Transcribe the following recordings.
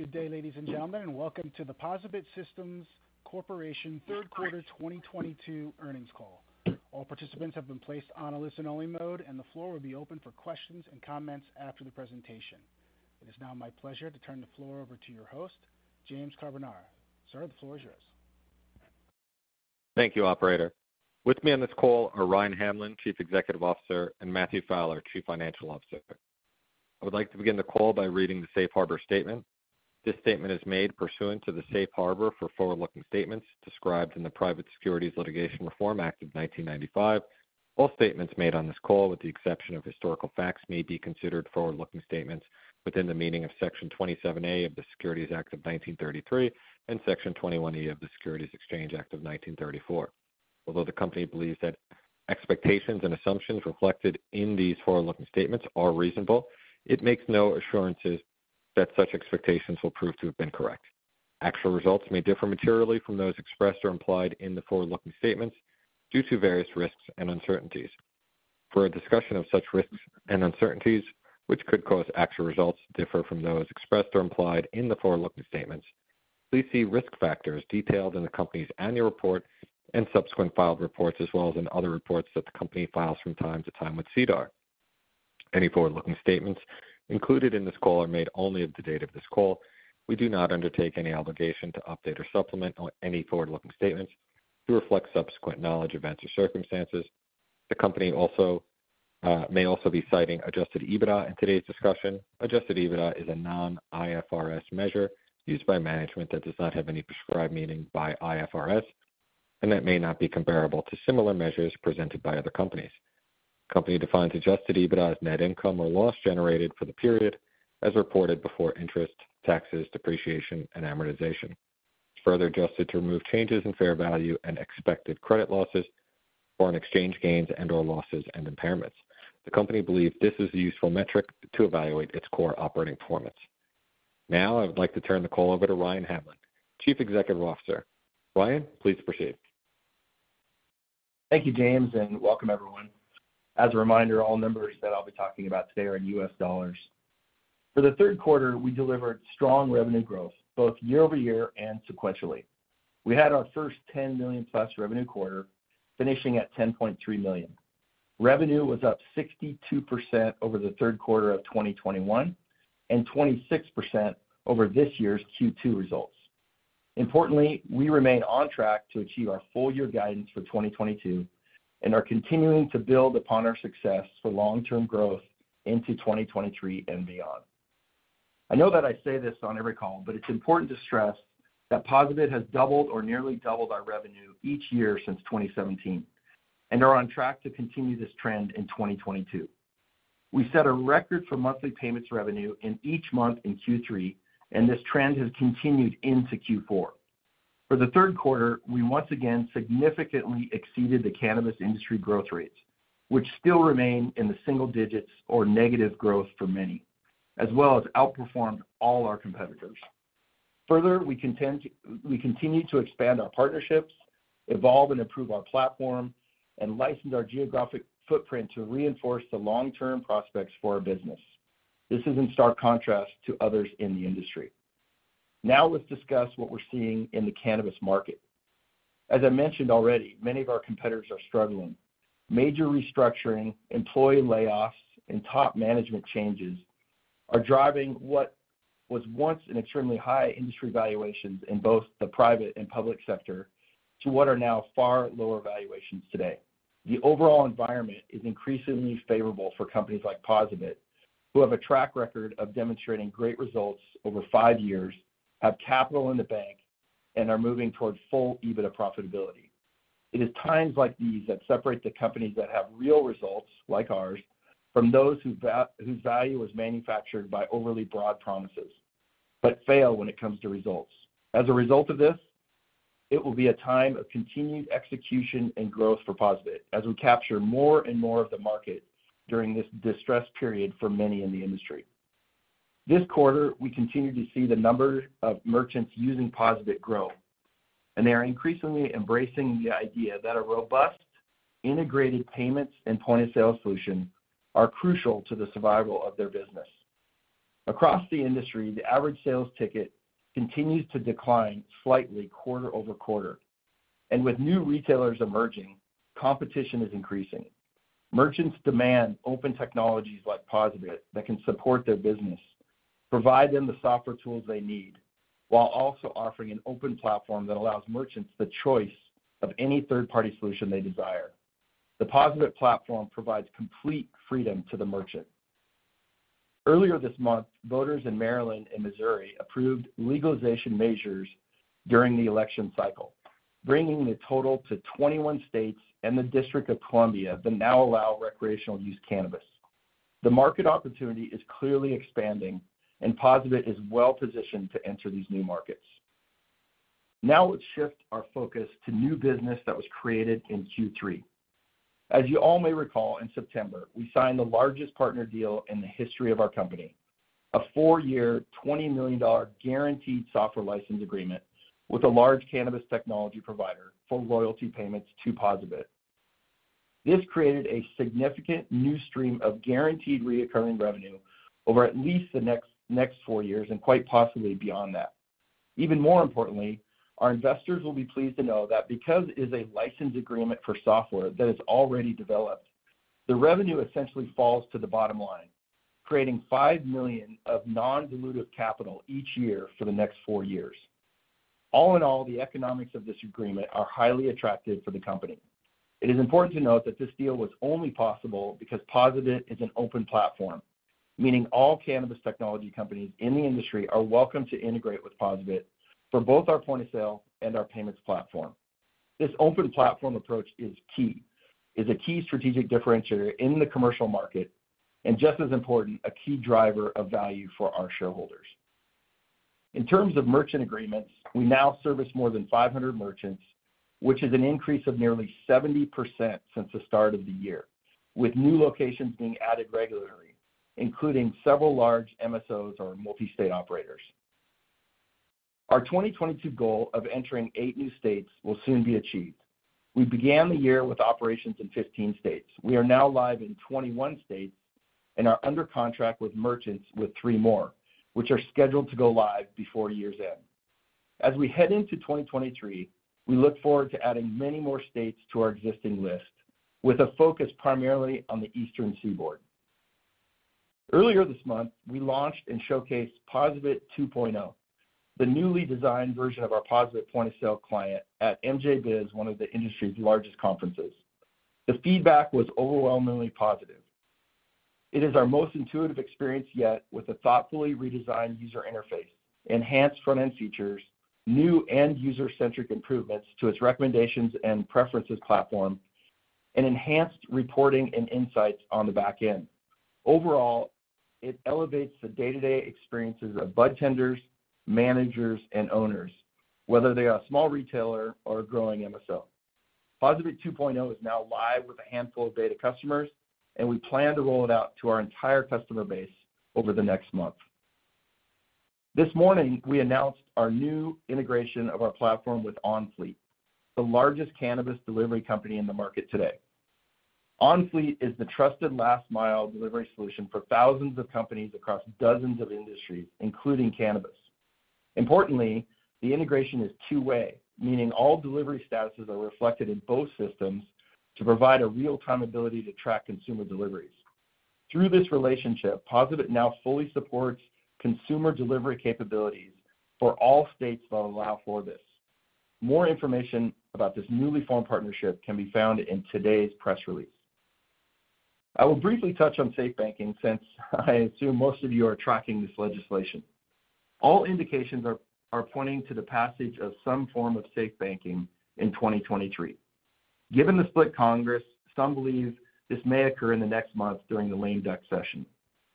Good day, ladies and gentlemen. Welcome to the POSaBIT Systems Corporation third quarter 2022 earnings call. All participants have been placed on a listen-only mode. The floor will be open for questions and comments after the presentation. It is now my pleasure to turn the floor over to your host, James Carbonara. Sir, the floor is yours. Thank you, operator. With me on this call are Ryan Hamlin, Chief Executive Officer, and Matthew Fowler, Chief Financial Officer. I would like to begin the call by reading the safe harbor statement. This statement is made pursuant to the safe harbor for forward-looking statements described in the Private Securities Litigation Reform Act of 1995. All statements made on this call, with the exception of historical facts, may be considered forward-looking statements within the meaning of Section 27A of the Securities Act of 1933 and Section 21E of the Securities Exchange Act of 1934. Although the company believes that expectations and assumptions reflected in these forward-looking statements are reasonable, it makes no assurances that such expectations will prove to have been correct. Actual results may differ materially from those expressed or implied in the forward-looking statements due to various risks and uncertainties. For a discussion of such risks and uncertainties, which could cause actual results to differ from those expressed or implied in the forward-looking statements, please see risk factors detailed in the company's annual report and subsequent filed reports, as well as in other reports that the company files from time to time with SEDAR. Forward-looking statements included in this call are made only as of the date of this call. We do not undertake any obligation to update or supplement any forward-looking statements to reflect subsequent knowledge, events, or circumstances. The company also may also be citing adjusted EBITDA in today's discussion. Adjusted EBITDA is a non-IFRS measure used by management that does not have any prescribed meaning by IFRS and that may not be comparable to similar measures presented by other companies. The company defines adjusted EBITDA as net income or loss generated for the period as reported before interest, taxes, depreciation, and amortization. It's further adjusted to remove changes in fair value and expected credit losses, foreign exchange gains and/or losses and impairments. The company believes this is a useful metric to evaluate its core operating performance. Now I would like to turn the call over to Ryan Hamlin, Chief Executive Officer. Ryan, please proceed. Thank you, James, and welcome everyone. As a reminder, all numbers that I'll be talking about today are in US dollars. For the third quarter, we delivered strong revenue growth, both year-over-year and sequentially. We had our first $10 million+ revenue quarter, finishing at $10.3 million. Revenue was up 62% over the third quarter of 2021 and 26% over this year's Q2 results. Importantly, we remain on track to achieve our full year guidance for 2022 and are continuing to build upon our success for long-term growth into 2023 and beyond. I know that I say this on every call, but it's important to stress that POSaBIT has doubled or nearly doubled our revenue each year since 2017 and are on track to continue this trend in 2022. We set a record for monthly payments revenue in each month in Q3, and this trend has continued into Q4. For the third quarter, we once again significantly exceeded the cannabis industry growth rates, which still remain in the single digits or negative growth for many, as well as outperformed all our competitors. Further, we continue to expand our partnerships, evolve and improve our platform, and license our geographic footprint to reinforce the long-term prospects for our business. This is in stark contrast to others in the industry. Now let's discuss what we're seeing in the cannabis market. As I mentioned already, many of our competitors are struggling. Major restructuring, employee layoffs, and top management changes are driving what was once an extremely high industry valuations in both the private and public sector to what are now far lower valuations today. The overall environment is increasingly favorable for companies like POSaBIT, who have a track record of demonstrating great results over 5 years, have capital in the bank, and are moving toward full EBITDA profitability. It is times like these that separate the companies that have real results, like ours, from those whose value is manufactured by overly broad promises, but fail when it comes to results. As a result of this, it will be a time of continued execution and growth for POSaBIT as we capture more and more of the market during this distressed period for many in the industry. This quarter, we continued to see the number of merchants using POSaBIT grow, and they are increasingly embracing the idea that a robust, integrated payments and point-of-sale solution are crucial to the survival of their business. Across the industry, the average sales ticket continues to decline slightly quarter-over-quarter. With new retailers emerging, competition is increasing. Merchants demand open technologies like POSaBIT that can support their business, provide them the software tools they need, while also offering an open platform that allows merchants the choice of any third-party solution they desire. The POSaBIT platform provides complete freedom to the merchant. Earlier this month, voters in Maryland and Missouri approved legalization measures during the election cycle, bringing the total to 21 states and the District of Columbia that now allow recreational use cannabis. The market opportunity is clearly expanding, and POSaBIT is well-positioned to enter these new markets. Let's shift our focus to new business that was created in Q3. As you all may recall, in September, we signed the largest partner deal in the history of our company, a 4-year, $20 million guaranteed software license agreement with a large cannabis technology provider for loyalty payments to POSaBIT. This created a significant new stream of guaranteed reoccurring revenue over at least the next 4 years and quite possibly beyond that. Even more importantly, our investors will be pleased to know that because it is a license agreement for software that is already developed, the revenue essentially falls to the bottom line, creating $5 million of non-dilutive capital each year for the next 4 years. All in all, the economics of this agreement are highly attractive for the company. It is important to note that this deal was only possible because POSaBIT is an open platform, meaning all cannabis technology companies in the industry are welcome to integrate with POSaBIT for both our point-of-sale and our payments platform. This open platform approach is key. It's a key strategic differentiator in the commercial market, and just as important, a key driver of value for our shareholders. In terms of merchant agreements, we now service more than 500 merchants, which is an increase of nearly 70% since the start of the year, with new locations being added regularly, including several large MSOs or multi-state operators. Our 2022 goal of entering eight new states will soon be achieved. We began the year with operations in 15 states. We are now live in 21 states and are under contract with merchants with three more, which are scheduled to go live before year's end. As we head into 2023, we look forward to adding many more states to our existing list with a focus primarily on the Eastern Seaboard. Earlier this month, we launched and showcased POSaBIT 2.0, the newly designed version of our POSaBIT point-of-sale client at MJBiz, one of the industry's largest conferences. The feedback was overwhelmingly positive. It is our most intuitive experience yet with a thoughtfully redesigned user interface, enhanced front-end features, new and user-centric improvements to its recommendations and preferences platform, and enhanced reporting and insights on the back end. Overall, it elevates the day-to-day experiences of budtenders, managers, and owners, whether they are a small retailer or a growing MSO. POSaBIT 2.0 is now live with a handful of beta customers. We plan to roll it out to our entire customer base over the next month. This morning, we announced our new integration of our platform with Onfleet, the largest cannabis delivery company in the market today. Onfleet is the trusted last-mile delivery solution for thousands of companies across dozens of industries, including cannabis. Importantly, the integration is two-way, meaning all delivery statuses are reflected in both systems to provide a real-time ability to track consumer deliveries. Through this relationship, POSaBIT now fully supports consumer delivery capabilities for all states that allow for this. More information about this newly formed partnership can be found in today's press release. I will briefly touch on Safe Banking since I assume most of you are tracking this legislation. All indications are pointing to the passage of some form of Safe Banking in 2023. Given the split Congress, some believe this may occur in the next months during the lame-duck session.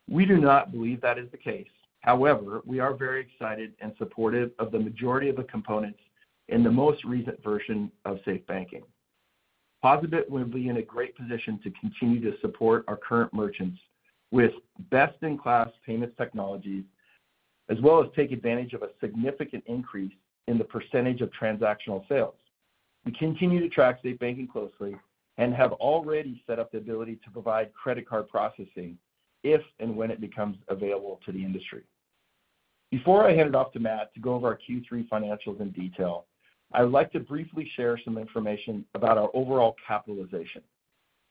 We do not believe that is the case. However, we are very excited and supportive of the majority of the components in the most recent version of Safe Banking . POSaBIT will be in a great position to continue to support our current merchants with best-in-class payments technologies, as well as take advantage of a significant increase in the % of transactional sales. We continue to track Safe Banking closely and have already set up the ability to provide credit card processing if and when it becomes available to the industry. Before I hand it off to Matt to go over our Q3 financials in detail, I would like to briefly share some information about our overall capitalization.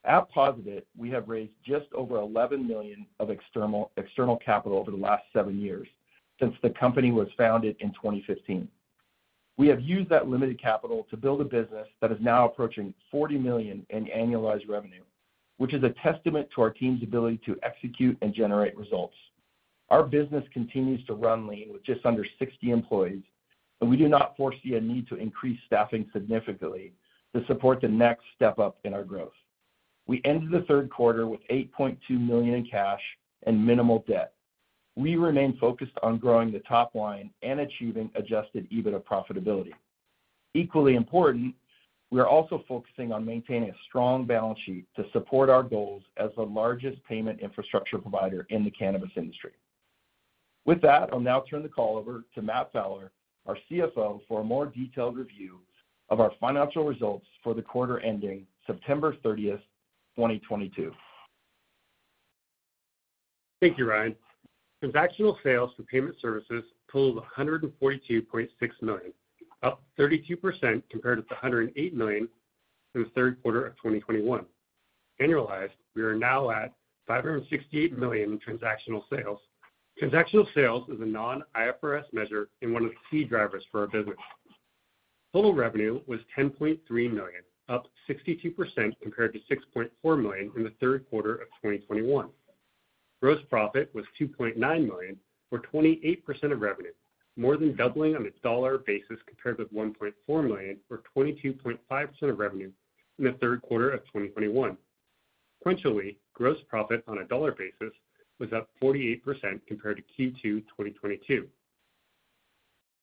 At POSaBIT, we have raised just over $11 million of external capital over the last 7 years since the company was founded in 2015. We have used that limited capital to build a business that is now approaching $40 million in annualized revenue, which is a testament to our team's ability to execute and generate results. Our business continues to run lean with just under 60 employees, and we do not foresee a need to increase staffing significantly to support the next step-up in our growth. We ended the third quarter with $8.2 million in cash and minimal debt. We remain focused on growing the top line and achieving adjusted EBITDA profitability. Equally important, we are also focusing on maintaining a strong balance sheet to support our goals as the largest payment infrastructure provider in the cannabis industry. With that, I'll now turn the call over to Matt Fowler, our CFO, for a more detailed review of our financial results for the quarter ending September 30th, 2022. Thank you, Ryan. Transactional sales from payment services totaled $142.6 million, up 32% compared to the $108 million in the third quarter of 2021. Annualized, we are now at $568 million in transactional sales. Transactional sales is a non-IFRS measure and one of the key drivers for our business. Total revenue was $10.3 million, up 62% compared to $6.4 million in the third quarter of 2021. Gross profit was $2.9 million, or 28% of revenue, more than doubling on a dollar basis compared with $1.4 million or 22.5% of revenue in the third quarter of 2021. Sequentially, gross profit on a dollar basis was up 48% compared to Q2 2022.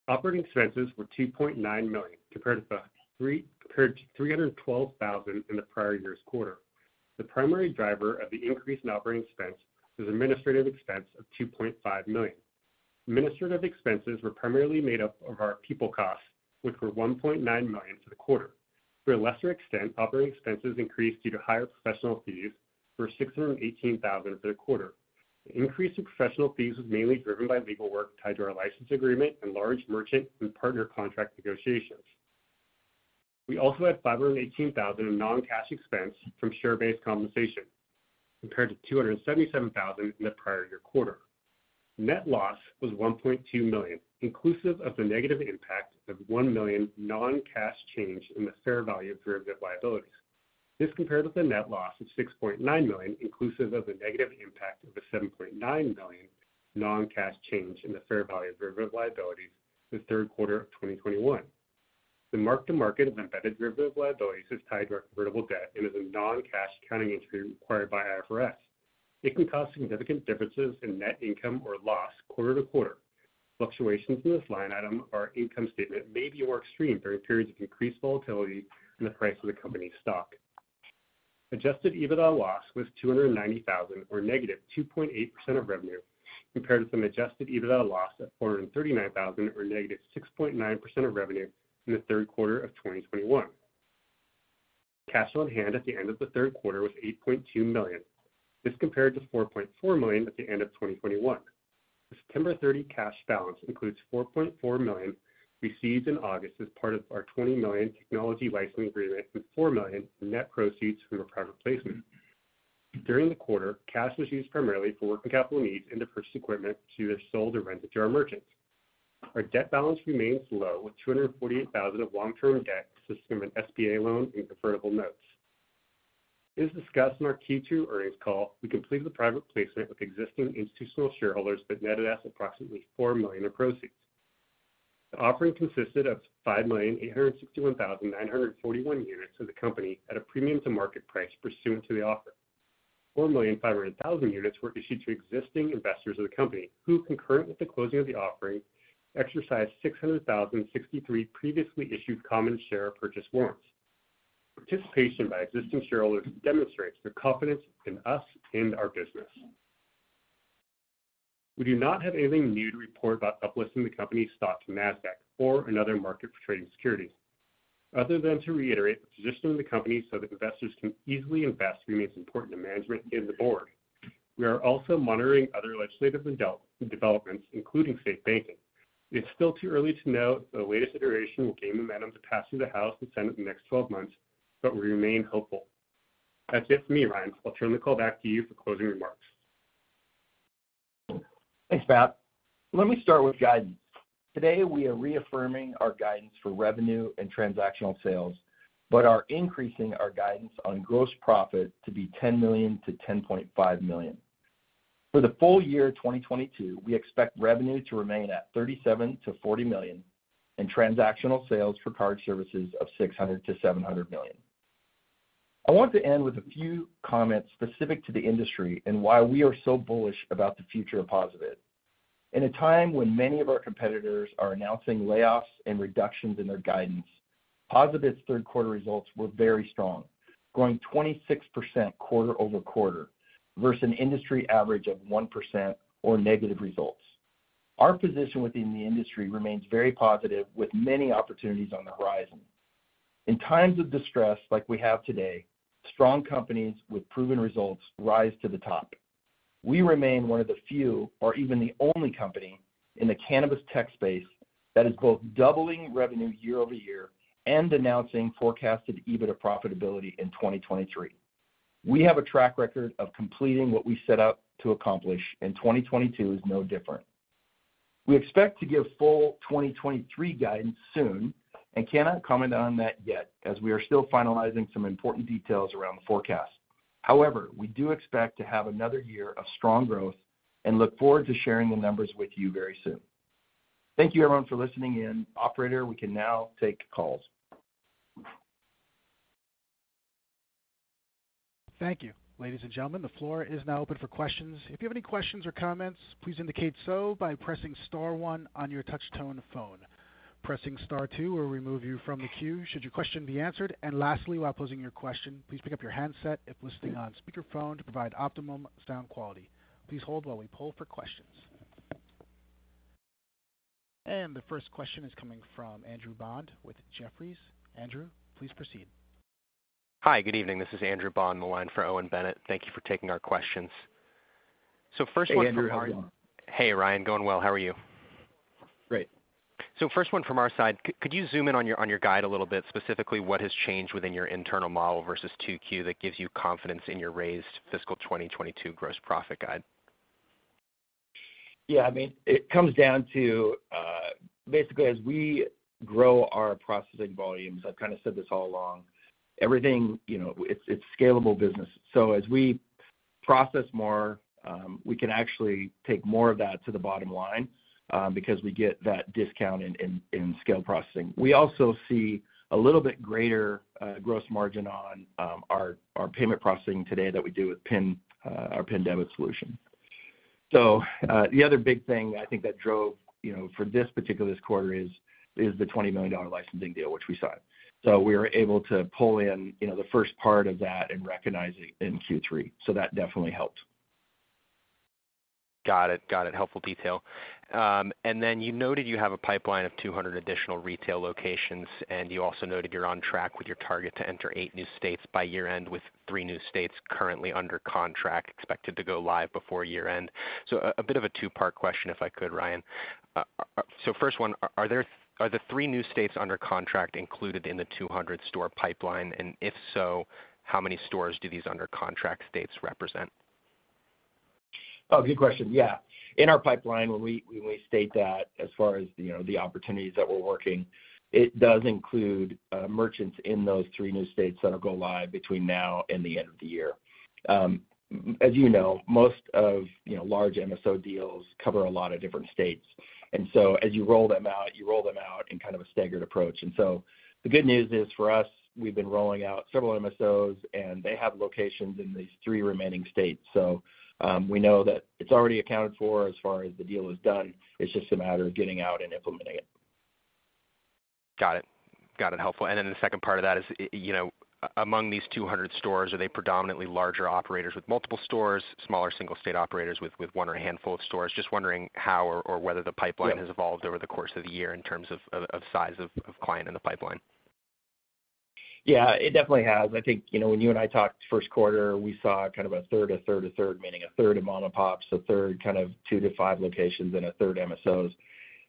Operating expenses were $2.9 million, compared to $312,000 in the prior year's quarter. The primary driver of the increase in operating expense was administrative expense of $2.5 million. Administrative expenses were primarily made up of our people costs, which were $1.9 million for the quarter. For a lesser extent, operating expenses increased due to higher professional fees for $618,000 for the quarter. The increase in professional fees was mainly driven by legal work tied to our license agreement and large merchant and partner contract negotiations. We also had $518,000 in non-cash expense from share-based compensation, compared to $277,000 in the prior year quarter. Net loss was $1.2 million, inclusive of the negative impact of $1 million non-cash change in the fair value of derivative liabilities. This compared with the net loss of $6.9 million, inclusive of the negative impact of the $7.9 million non-cash change in the fair value of derivative liabilities the third quarter of 2021. The mark to market of embedded derivative liabilities is tied to our convertible debt and is a non-cash accounting entry required by IFRS. It can cause significant differences in net income or loss quarter to quarter. Fluctuations in this line item of our income statement may be more extreme during periods of increased volatility in the price of the company's stock. Adjusted EBITDA loss was $290,000 or -2.8% of revenue, compared with an adjusted EBITDA loss at $439,000 or -6.9% of revenue from the third quarter of 2021. Cash on hand at the end of the third quarter was $8.2 million. This compared to $4.4 million at the end of 2021. The September 30 cash balance includes $4.4 million received in August as part of our $20 million technology licensing agreement, with $4 million in net proceeds from a private placement. During the quarter, cash was used primarily for working capital needs and to purchase equipment to be sold or rented to our merchants. Our debt balance remains low, with $248,000 of long-term debt consisting of an SBA loan and convertible notes. As discussed in our Q2 earnings call, we completed the private placement with existing institutional shareholders that netted us approximately $4 million in proceeds. The offering consisted of 5,861,941 units of the company at a premium to market price pursuant to the offer. 4,500,000 units were issued to existing investors of the company, who concurrent with the closing of the offering, exercised 600,063 previously issued common share purchase warrants. Participation by existing shareholders demonstrates their confidence in us and our business. We do not have anything new to report about uplisting the company's stock to Nasdaq or another market for trading securities. Other than to reiterate the position of the company so that investors can easily invest remains important to management and the board. We are also monitoring other legislative and developments, including state banking. It's still too early to know if the latest iteration will gain momentum to pass through the House and Senate in the next 12 months. We remain hopeful. That's it for me. Ryan, I'll turn the call back to you for closing remarks. Thanks, Matt. Let me start with guidance. Today, we are reaffirming our guidance for revenue and transactional sales, but are increasing our guidance on gross profit to be $10 million-$10.5 million. For the full year 2022, we expect revenue to remain at $37 million-$40 million and transactional sales for card services of $600 million-$700 million. I want to end with a few comments specific to the industry and why we are so bullish about the future of POSaBIT. In a time when many of our competitors are announcing layoffs and reductions in their guidance, POSaBIT's third quarter results were very strong, growing 26% quarter-over-quarter versus an industry average of 1% or negative results. Our position within the industry remains very positive, with many opportunities on the horizon. In times of distress like we have today, strong companies with proven results rise to the top. We remain one of the few or even the only company in the cannabis tech space that is both doubling revenue year-over-year and announcing forecasted EBITDA profitability in 2023. We have a track record of completing what we set out to accomplish. 2022 is no different. We expect to give full 2023 guidance soon and cannot comment on that yet as we are still finalizing some important details around the forecast. However, we do expect to have another year of strong growth and look forward to sharing the numbers with you very soon. Thank you everyone for listening in. Operator, we can now take calls. Thank you. Ladies and gentlemen, the floor is now open for questions. If you have any questions or comments, please indicate so by pressing star one on your touch-tone phone. Pressing star two will remove you from the queue should your question be answered. Lastly, while posing your question, please pick up your handset if listening on speakerphone to provide optimum sound quality. Please hold while we poll for questions. The first question is coming from Andrew Bond with Jefferies. Andrew, please proceed. Hi, good evening. This is Andrew Bond, the line for Owen Bennett. Thank you for taking our questions. First one- Hey, Andrew. How are you? Hey, Ryan. Going well. How are you? Great. First one from our side. Could you zoom in on your guide a little bit? Specifically, what has changed within your internal model versus 2Q that gives you confidence in your raised fiscal 2022 gross profit guide? Yeah, I mean, it comes down to basically as we grow our processing volumes, I've kind of said this all along, everything, you know, it's scalable business. As we process more, we can actually take more of that to the bottom line, because we get that discount in scale processing. We also see a little bit greater gross margin on our payment processing today that we do with PIN, our PIN Debit solution. The other big thing I think that drove. You know, for this particular quarter is the $20 million licensing deal which we signed. We were able to pull in, you know, the first part of that and recognize it in Q3. That definitely helped. Got it. Got it. Helpful detail. You noted you have a pipeline of 200 additional retail locations, and you also noted you're on track with your target to enter 8 new states by year-end with 3 new states currently under contract, expected to go live before year-end. A bit of a two-part question, if I could, Ryan? First one, are the 3 new states under contract included in the 200 store pipeline? If so, how many stores do these under contract states represent? Good question. Yeah. In our pipeline, when we state that as far as, you know, the opportunities that we're working, it does include merchants in those three new states that'll go live between now and the end of the year. As you know, most of, you know, large MSO deals cover a lot of different states. As you roll them out, you roll them out in kind of a staggered approach. The good news is, for us, we've been rolling out several MSOs, and they have locations in these three remaining states. We know that it's already accounted for as far as the deal is done. It's just a matter of getting out and implementing it. Got it. Got it. Helpful. The second part of that is, you know, among these 200 stores, are they predominantly larger operators with multiple stores, smaller single state operators with one or a handful of stores? Just wondering how or whether the pipeline-. Yeah... has evolved over the course of the year in terms of size of client in the pipeline. Yeah, it definitely has. I think, you know, when you and I talked first quarter, we saw kind of a third, a third, a third, meaning a third of mom and pops, a third kind of 2-5 locations and a third MSOs.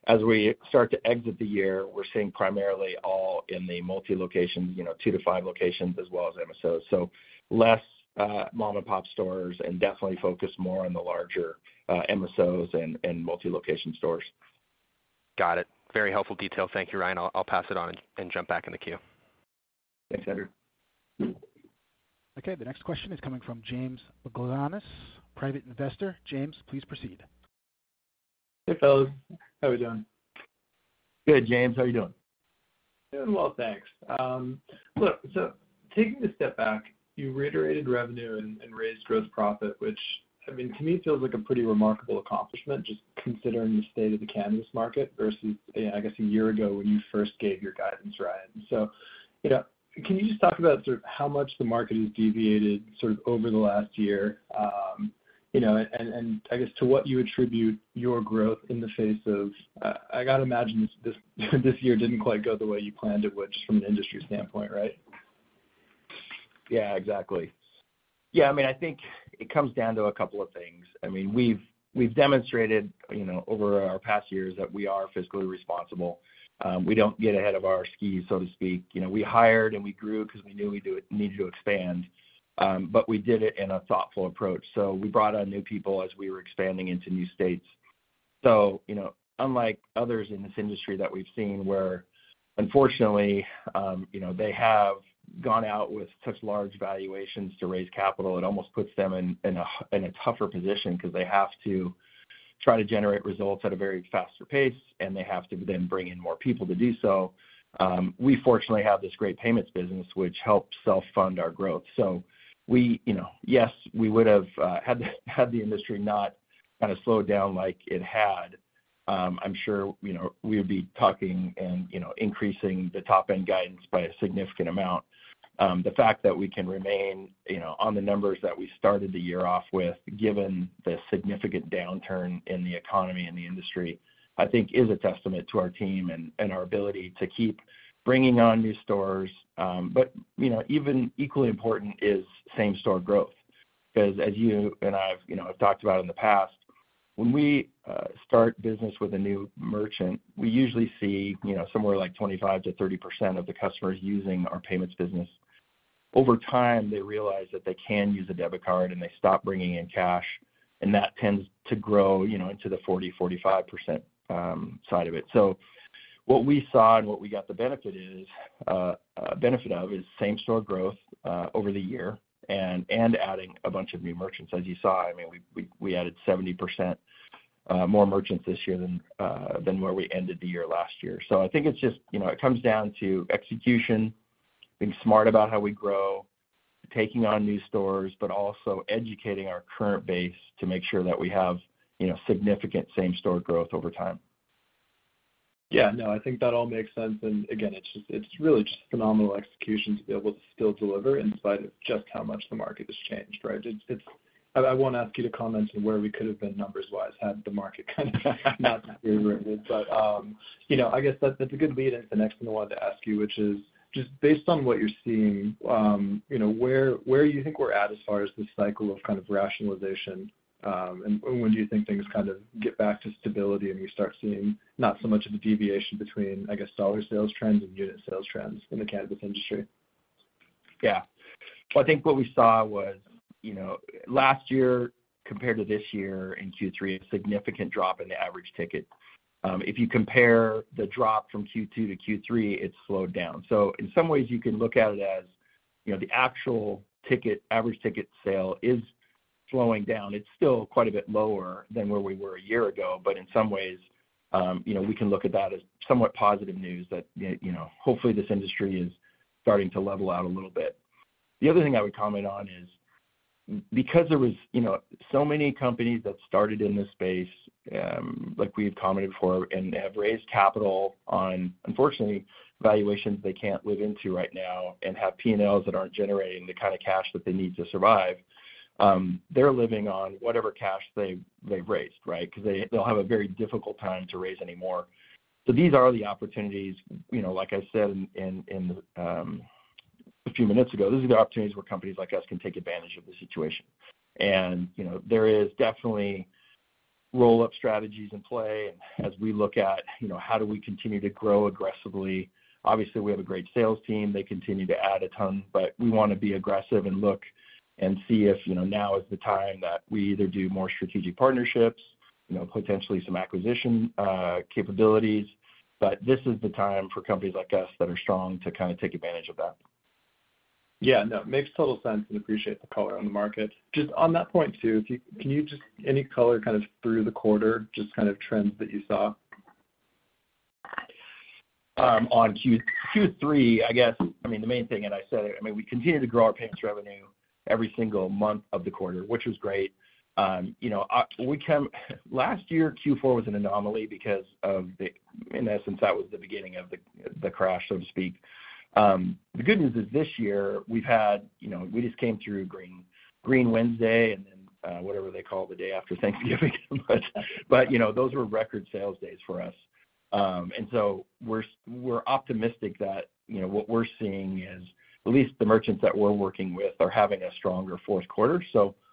As we start to exit the year, we're seeing primarily all in the multi-location, you know, 2-5locations as well as MSOs. Less mom and pop stores and definitely focused more on the larger MSOs and multi-location stores. Got it. Very helpful detail. Thank you, Ryan. I'll pass it on and jump back in the queue. Thanks, Andrew. Okay. The next question is coming from James McGinnis, Private Investor. James, please proceed. Hey, fellas. How are we doing? Good, James. How are you doing? Doing well, thanks. Look, so taking a step back, you reiterated revenue and raised gross profit, which I mean, to me feels like a pretty remarkable accomplishment, just considering the state of the cannabis market versus, I guess, a year ago when you first gave your guidance, Ryan. You know, can you just talk about sort of how much the market has deviated sort of over the last year, you know, and I guess to what you attribute your growth in the face of... I gotta imagine this year didn't quite go the way you planned it would just from an industry standpoint, right? Yeah, exactly. I mean, I think it comes down to a couple of things. I mean, we've demonstrated, you know, over our past years that we are fiscally responsible. We don't get ahead of our skis, so to speak. You know, we hired and we grew because we knew we needed to expand, but we did it in a thoughtful approach. We brought on new people as we were expanding into new states. You know, unlike others in this industry that we've seen where unfortunately, you know, they have gone out with such large valuations to raise capital, it almost puts them in a tougher position because they have to try to generate results at a very faster pace, they have to then bring in more people to do so. We fortunately have this great payments business which helps self-fund our growth. We, you know, yes, we would have had the industry not kind of slowed down like it had, I'm sure, you know, we would be talking and, you know, increasing the top-end guidance by a significant amount. The fact that we can remain, you know, on the numbers that we started the year off with, given the significant downturn in the economy and the industry, I think is a testament to our team and our ability to keep bringing on new stores. You know, even equally important is same-store growth. Because as you and I have, you know, have talked about in the past, when we start business with a new merchant, we usually see, you know, somewhere like 25%-30% of the customers using our payments business. Over time, they realize that they can use a debit card, and they stop bringing in cash, and that tends to grow, you know, into the 40%-45% side of it. What we saw and what we got the benefit is benefit of is same-store growth over the year and adding a bunch of new merchants. As you saw, I mean, we added 70% more merchants this year than where we ended the year last year. I think it's just, you know, it comes down to execution, being smart about how we grow, taking on new stores, but also educating our current base to make sure that we have, you know, significant same-store growth over time. Yeah, no, I think that all makes sense. Again, it's just, it's really just phenomenal execution to be able to still deliver in spite of just how much the market has changed, right? I won't ask you to comment on where we could have been numbers-wise had the market kind of not been where it is. You know, I guess that's a good lead into the next thing I wanted to ask you, which is just based on what you're seeing, you know, where do you think we're at as far as this cycle of kind of rationalization? When do you think things kind of get back to stability and you start seeing not so much of the deviation between, I guess, dollar sales trends and unit sales trends in the cannabis industry? Yeah. Well, I think what we saw was, you know, last year compared to this year in Q3, a significant drop in the average ticket. If you compare the drop from Q2-Q3, it slowed down. In some ways, you can look at it as, you know, the actual ticket, average ticket sale is slowing down. It's still quite a bit lower than where we were a year ago. In some ways, you know, we can look at that as somewhat positive news that, you know, hopefully this industry is starting to level out a little bit. The other thing I would comment on is. Because there was, you know, so many companies that started in this space, like we've commented before, and have raised capital on, unfortunately, valuations they can't live into right now and have P&Ls that aren't generating the kind of cash that they need to survive, they're living on whatever cash they've raised, right? 'Cause they'll have a very difficult time to raise any more. These are the opportunities, you know, like I said in, a few minutes ago, these are the opportunities where companies like us can take advantage of the situation. You know, there is definitely roll-up strategies in play. As we look at, you know, how do we continue to grow aggressively, obviously, we have a great sales team. They continue to add a ton, but we wanna be aggressive and look and see if, you know, now is the time that we either do more strategic partnerships, you know, potentially some acquisition capabilities. This is the time for companies like us that are strong to kinda take advantage of that. Yeah. No, makes total sense and appreciate the color on the market. Just on that point too, any color kind of through the quarter, just kind of trends that you saw? On Q3, I guess, I mean, the main thing, and I said it, I mean, we continue to grow our payments revenue every single month of the quarter, which was great. You know, Last year, Q4 was an anomaly in essence, that was the beginning of the crash, so to speak. The good news is this year, we've had, you know, we just came through Green Wednesday and then, whatever they call the day after Thanksgiving. You know, those were record sales days for us. We're, we're optimistic that, you know, what we're seeing is at least the merchants that we're working with are having a stronger fourth quarter.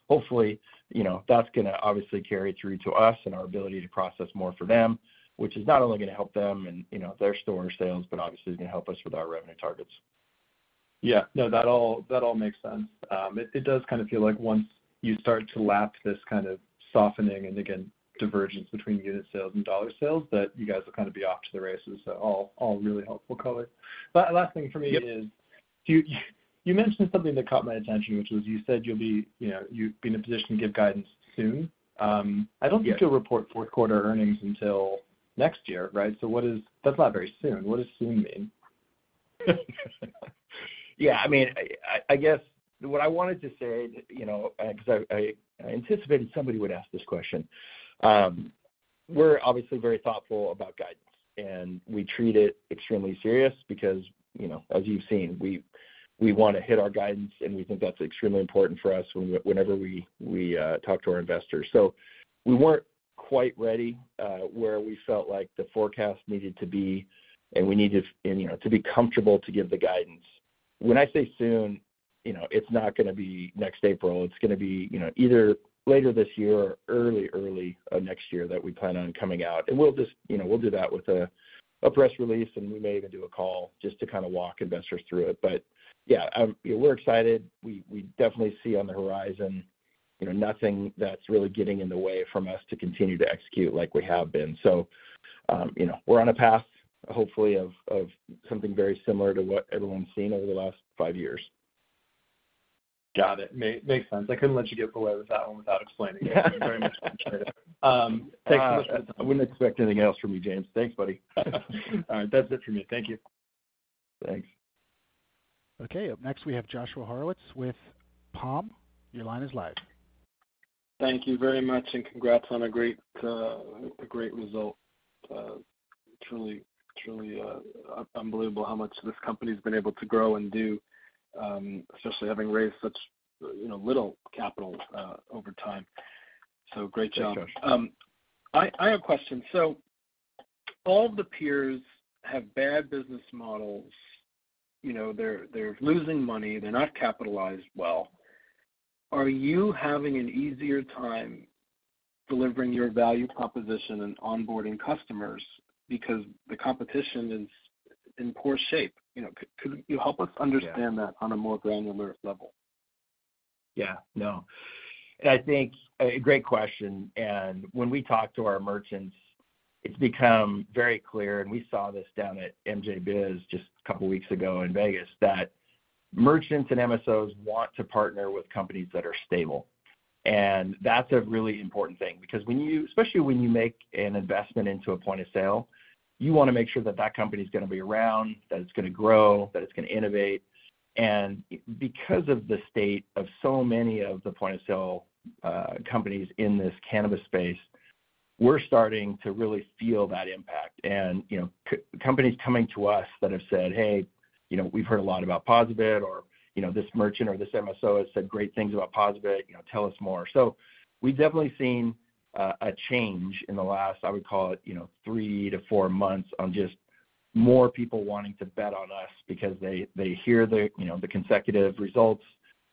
Hopefully, you know, that's gonna obviously carry through to us and our ability to process more for them, which is not only gonna help them and, you know, their store sales, but obviously is gonna help us with our revenue targets. That all makes sense. It does kind of feel like once you start to lap this kind of softening and, again, divergence between unit sales and dollar sales, that you guys will kind of be off to the races. All really helpful color. Last thing for me. Yep... is you mentioned something that caught my attention, which was you said you'll be, you know, you'd be in a position to give guidance soon. Yeah I don't think you'll report fourth quarter earnings until next year, right? That's not very soon. What does soon mean? Yeah. I mean, I guess what I wanted to say, you know, 'cause I anticipated somebody would ask this question. We're obviously very thoughtful about guidance, and we treat it extremely serious because, you know, as you've seen, we wanna hit our guidance, and we think that's extremely important for us whenever we talk to our investors. We weren't quite ready where we felt like the forecast needed to be and we needed, you know, to be comfortable to give the guidance. When I say soon, you know, it's not gonna be next April. It's gonna be, you know, either later this year or early next year that we plan on coming out. We'll just, you know, we'll do that with a press release, and we may even do a call just to kinda walk investors through it. Yeah, we're excited. We definitely see on the horizon, you know, nothing that's really getting in the way from us to continue to execute like we have been. You know, we're on a path, hopefully of something very similar to what everyone's seen over the last five years. Got it. Makes sense. I couldn't let you get away with that one without explaining it. Very much appreciated. Thanks so much. I wouldn't expect anything else from you, James. Thanks, buddy. All right. That's it for me. Thank you. Thanks. Okay. Up next, we have Joshua Horowitz with Palm. Your line is live. Thank you very much, and congrats on a great result. Truly unbelievable how much this company's been able to grow and do, especially having raised such, you know, little capital over time. Great job. Thanks, Josh. I have a question. All the peers have bad business models. You know, they're losing money. They're not capitalized well. Are you having an easier time delivering your value proposition and onboarding customers because the competition is in poor shape? You know, could you help us understand? Yeah... that on a more granular level? Yeah. No. I think a great question, and when we talk to our merchants, it's become very clear, and we saw this down at MJBiz just a couple weeks ago in Vegas, that merchants and MSOs want to partner with companies that are stable. That's a really important thing because when you especially when you make an investment into a point-of-sale, you wanna make sure that that company's gonna be around, that it's gonna grow, that it's gonna innovate. Because of the state of so many of the point-of-sale companies in this cannabis space, we're starting to really feel that impact. You know, companies coming to us that have said, "Hey, you know, we've heard a lot about POSaBIT," or, you know, "This merchant or this MSO has said great things about POSaBIT, you know, tell us more." We've definitely seen a change in the last, I would call it, you know, three to four months on just more people wanting to bet on us because they hear the, you know, the consecutive results.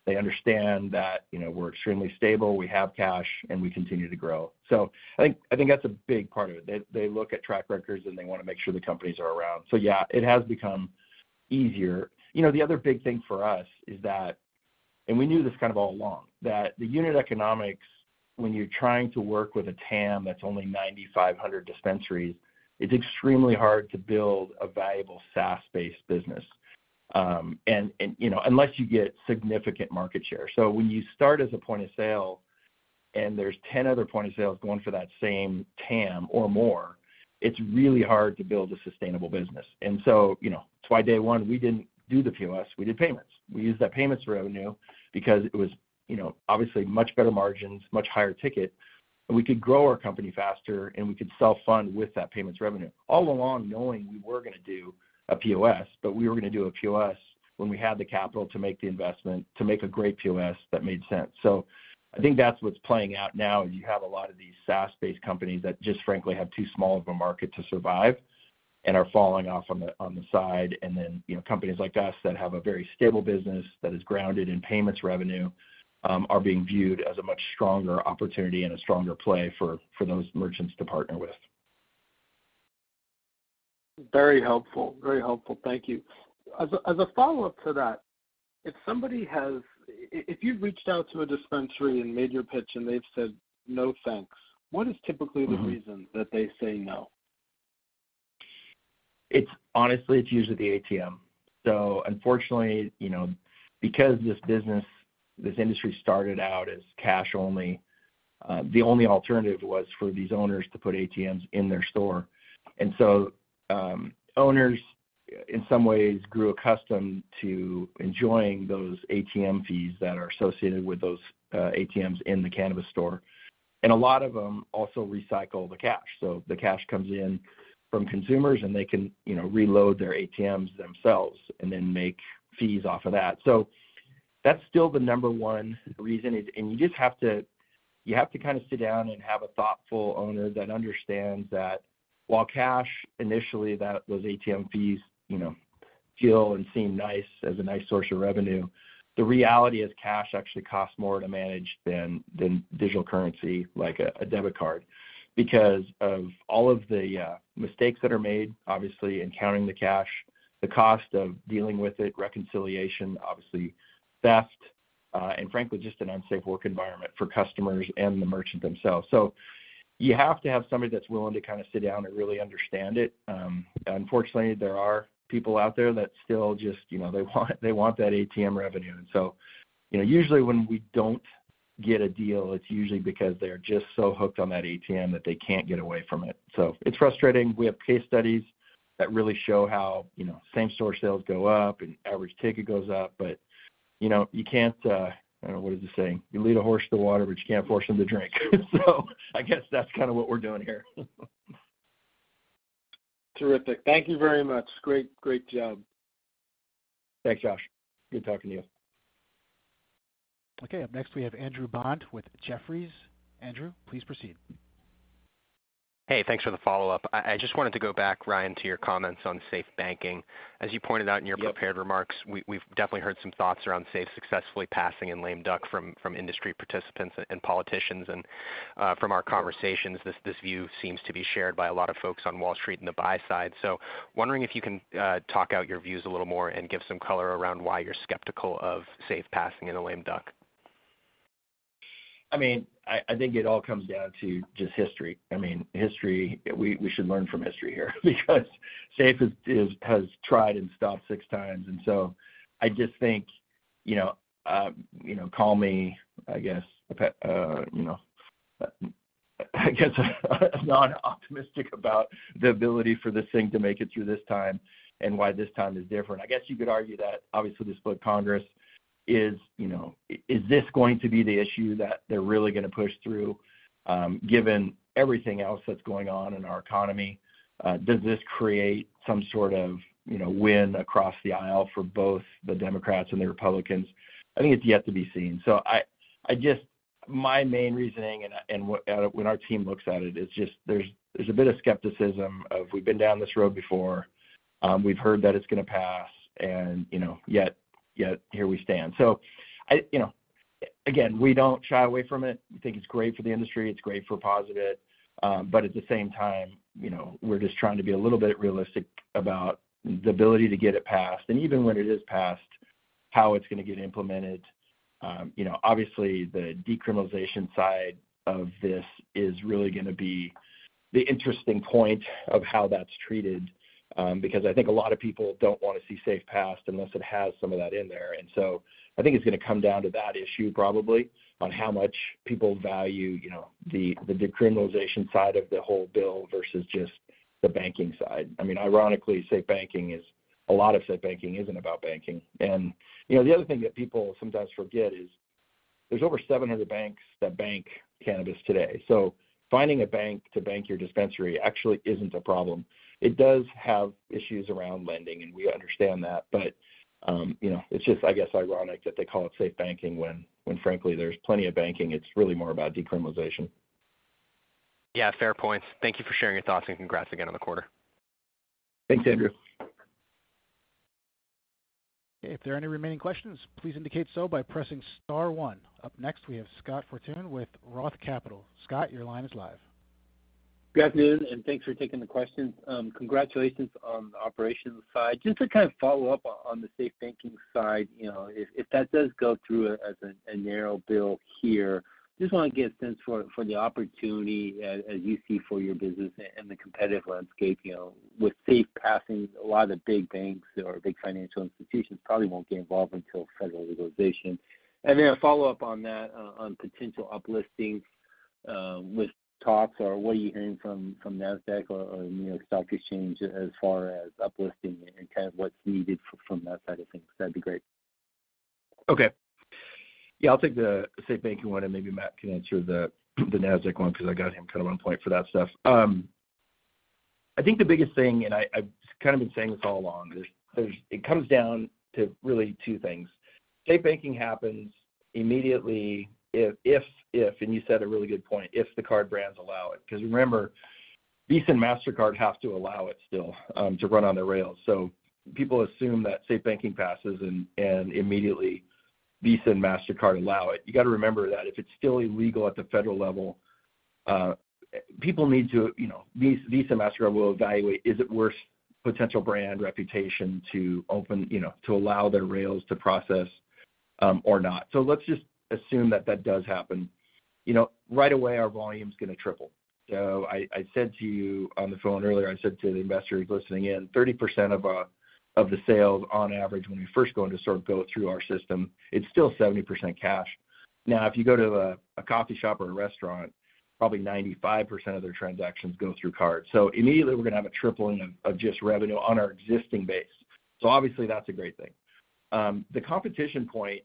They understand that, you know, we're extremely stable, we have cash, and we continue to grow. I think that's a big part of it. They, they look at track records, and they wanna make sure the companies are around. Yeah, it has become easier. You know, the other big thing for us is that, and we knew this kind of all along, that the unit economics, when you're trying to work with a TAM that's only 9,500 dispensaries, it's extremely hard to build a valuable SaaS-based business, and, you know, unless you get significant market share. When you start as a point-of-sale, there's 10 other point-of-sales going for that same TAM or more, it's really hard to build a sustainable business. You know, that's why day one, we didn't do the POS, we did payments. We used that payments revenue because it was, you know, obviously much better margins, much higher ticket, and we could grow our company faster, and we could sell fund with that payments revenue, all along knowing we were gonna do a POS, but we were gonna do a POS when we had the capital to make the investment, to make a great POS that made sense. I think that's what's playing out now, is you have a lot of these SaaS-based companies that just frankly have too small of a market to survive and are falling off on the side. You know, companies like us that have a very stable business that is grounded in payments revenue, are being viewed as a much stronger opportunity and a stronger play for those merchants to partner with. Very helpful. Thank you. As a follow-up to that, if you've reached out to a dispensary and made your pitch and they've said, "No, thanks," what is typically the reason that they say no? It's honestly, it's usually the ATM. Unfortunately, you know, because this business, this industry started out as cash only, the only alternative was for these owners to put ATMs in their store. Owners, in some ways grew accustomed to enjoying those ATM fees that are associated with those, ATMs in the cannabis store. A lot of them also recycle the cash. The cash comes in from consumers, and they can, you know, reload their ATMs themselves and then make fees off of that. That's still the number one reason is... You just have to kind of sit down and have a thoughtful owner that understands that while cash initially that those ATM fees, you know, feel and seem nice as a nice source of revenue, the reality is cash actually costs more to manage than digital currency like a debit card. Because of all of the mistakes that are made, obviously, in counting the cash, the cost of dealing with it, reconciliation, obviously, theft, and frankly, just an unsafe work environment for customers and the merchant themselves. You have to have somebody that's willing to kind of sit down and really understand it. Unfortunately, there are people out there that still just, you know, they want that ATM revenue. You know, usually when we don't get a deal, it's usually because they're just so hooked on that ATM that they can't get away from it. It's frustrating. We have case studies that really show how, you know, same store sales go up and average ticket goes up. You know, you can't, what is the saying? You lead a horse to water, but you can't force them to drink. I guess that's kinda what we're doing here. Terrific. Thank you very much. Great, great job. Thanks, Josh. Good talking to you. Up next, we have Andrew Bond with Jefferies. Andrew, please proceed. Hey, thanks for the follow-up. I just wanted to go back, Ryan, to your comments on Safe Banking. As you pointed out in your prepared remarks- Yep. -we, we've definitely heard some thoughts around Safe successfully passing in lame duck from industry participants and politicians. From our conversations, this view seems to be shared by a lot of folks on Wall Street and the buy side. Wondering if you can talk out your views a little more and give some color around why you're skeptical of Safe passing in a lame duck. I mean, I think it all comes down to just history. I mean, history, we should learn from history here because Safe has tried and stopped six times. I just think, you know, you know, call me, I guess, you know, I guess non-optimistic about the ability for this thing to make it through this time and why this time is different. I guess you could argue that obviously the split Congres is, you know. Is this going to be the issue that they're really going to push through, given everything else that's going on in our economy? Does this create some sort of, you know, win across the aisle for both the Democrats and the Republicans? I think it's yet to be seen. I just my main reasoning and when our team looks at it's just there's a bit of skepticism of we've been down this road before, we've heard that it's gonna pass and, you know, yet here we stand. I, you know, again, we don't shy away from it. We think it's great for the industry, it's great for POSaBIT. But at the same time, you know, we're just trying to be a little bit realistic about the ability to get it passed. Even when it is passed, how it's gonna get implemented. You know, obviously the decriminalization side of this is really gonna be the interesting point of how that's treated, because I think a lot of people don't wanna see Safe passed unless it has some of that in there. I think it's gonna come down to that issue probably on how much people value, you know, the decriminalization side of the whole bill versus just the banking side. I mean, ironically, a lot of Safe Banking isn't about banking. You know, the other thing that people sometimes forget is there's over 700 banks that bank cannabis today. Finding a bank to bank your dispensary actually isn't a problem. It does have issues around lending, and we understand that. You know, it's just, I guess, ironic that they call it Safe Banking when frankly, there's plenty of banking, it's really more about decriminalization. Yeah, fair points. Thank you for sharing your thoughts, and congrats again on the quarter. Thanks, Andrew. If there are any remaining questions, please indicate so by pressing star one. Up next, we have Scott Fortune with Roth Capital. Scott, your line is live. Good afternoon, thanks for taking the questions. Congratulations on the operations side. Just to kind of follow up on the Safe Banking side, you know, if that does go through as a narrow bill here, just wanna get a sense for the opportunity as you see for your business and the competitive landscape, you know, with Safe passing, a lot of the big banks or big financial institutions probably won't get involved until federal legalization. A follow-up on that on potential uplisting. With talks or what are you hearing from Nasdaq or New York Stock Exchange as far as up listing and kind of what's needed from that side of things? That'd be great. Okay. Yeah, I'll take the Safe Banking one, and maybe Matt can answer the Nasdaq one because I got him kind of on point for that stuff. I think the biggest thing, and I've kind of been saying this all along, it comes down to really two things. Safe Banking happens immediately if, and you said a really good point, if the card brands allow it. 'Cause remember, Visa and Mastercard have to allow it still, to run on the rail. People assume that Safe Banking passes and immediately Visa and Mastercard allow it. You gotta remember that if it's still illegal at the federal level, You know, Visa, Mastercard will evaluate is it worth potential brand reputation to open, you know, to allow their rails to process or not. Let's just assume that that does happen. You know, right away, our volume's gonna triple. I said to you on the phone earlier, I said to the investors listening in, 30% of the sales on average when we first go into store go through our system, it's still 70% cash. If you go to a coffee shop or a restaurant, probably 95% of their transactions go through card. Immediately, we're gonna have a tripling of just revenue on our existing base. Obviously, that's a great thing. The competition point,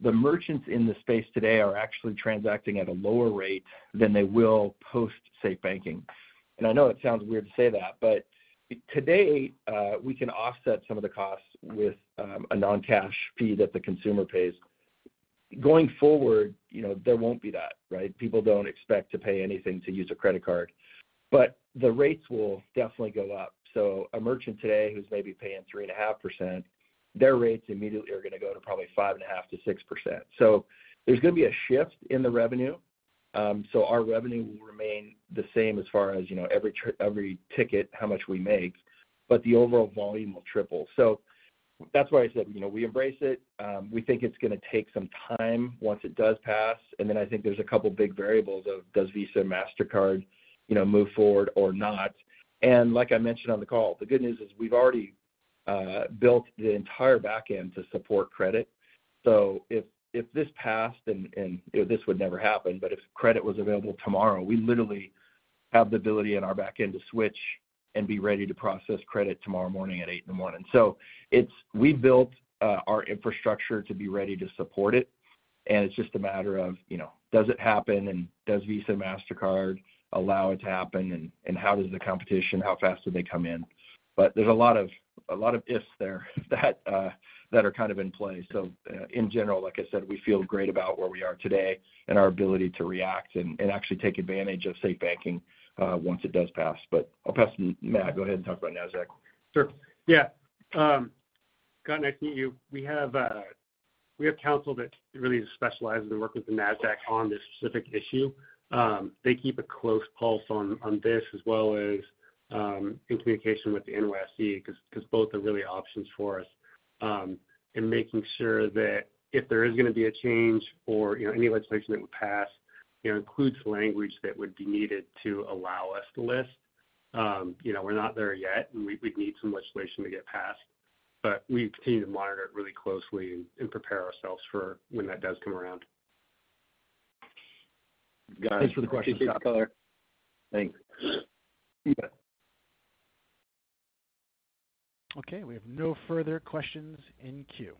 ironically, the merchants in the space today are actually transacting at a lower rate than they will post Safe Banking. I know it sounds weird to say that, but today, we can offset some of the costs with a non-cash fee that the consumer pays. Going forward, you know, there won't be that, right? People don't expect to pay anything to use a credit card. The rates will definitely go up. A merchant today who's maybe paying 3.5%, their rates immediately are gonna go to probably 5.5%-6%. There's gonna be a shift in the revenue, so our revenue will remain the same as far as, you know, every ticket, how much we make, but the overall volume will triple. That's why I said, you know, we embrace it. We think it's gonna take some time once it does pass, and then I think there's a couple of big variables of does Visa and MasterCard, you know, move forward or not. Like I mentioned on the call, the good news is we've already built the entire back end to support credit. If, if this passed and this would never happen, but if credit was available tomorrow, we literally have the ability in our back end to switch and be ready to process credit tomorrow morning at 8:00 A.M. We built our infrastructure to be ready to support it, and it's just a matter of, you know, does it happen, and does Visa, MasterCard allow it to happen, and how does the competition, how fast do they come in? There's a lot of ifs there that are kind of in play. In general, like I said, we feel great about where we are today and our ability to react and actually take advantage of Safe Banking once it does pass. I'll pass to Matt. Go ahead and talk about Nasdaq. Sure. Yeah. Scott, nice to meet you. We have counsel that really specializes in working with the Nasdaq on this specific issue. They keep a close pulse on this as well as in communication with the NYSE because both are really options for us, in making sure that if there is gonna be a change or, you know, any legislation that would pass, you know, includes language that would be needed to allow us to list. You know, we're not there yet, and we'd need some legislation to get passed, but we continue to monitor it really closely and prepare ourselves for when that does come around. Got it. Thanks for the question, Scott Miller. Thanks. Yeah. Okay. We have no further questions in queue.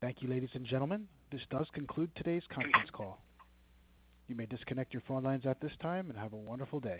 Thank you, ladies and gentlemen. This does conclude today's conference call. You may disconnect your phone lines at this time and have a wonderful day.